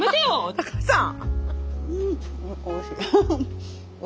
高橋さん！